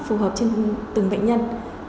phù hợp trên từng bệnh nhân